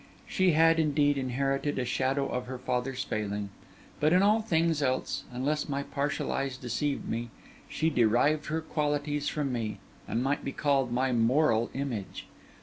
She had, indeed, inherited a shadow of her father's failing; but in all things else, unless my partial eyes deceived me, she derived her qualities from me, and might be called my moral image.